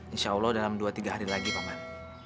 insya allah dalam dua tiga hari lagi pak man